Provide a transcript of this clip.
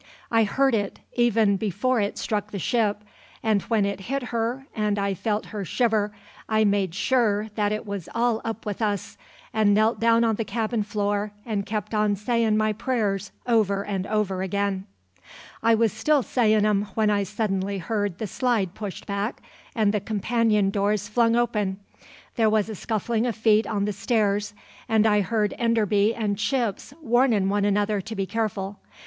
I heard it, even before it struck the ship; and when it hit her, and I felt her shiver, I made sure that it was all up with us, and I knelt down on the cabin floor and kept on sayin' my prayers, over and over again. "I was still sayin' 'em when I suddenly heard the slide pushed back and the companion doors flung open; there was a scuffling of feet on the stairs, and I heard Enderby and Chips warnin' one another to be careful.